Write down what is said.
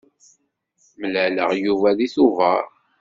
Mlaleɣ Yuba deg tubeṛ.